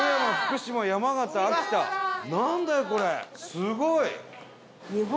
すごい！